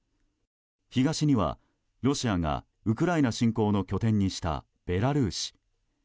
東にはロシアがウクライナ侵攻の拠点にしたベラルーシ。